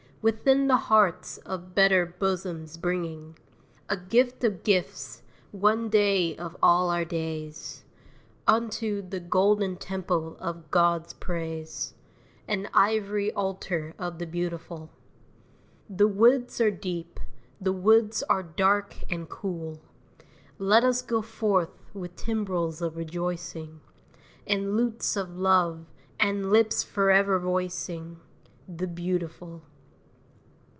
Within the hearts of better bosoms bringing A gift of gifts, one day of all our days, Unto the golden temple of God's praise, And ivory altar of the beautiful. The woods are deep, the woods are dark and cool; Let us go forth with timbrels of rejoicing, And lutes of love, and lips forever voicing The beautiful!